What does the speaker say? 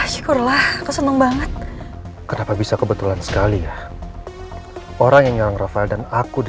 syukurlah aku senang banget kenapa bisa kebetulan sekali ya orang yang nyerang rafael dan aku di